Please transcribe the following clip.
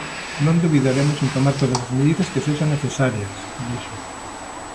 "Non dubidaremos en tomar todas as medidas que sexan necesarias", dixo.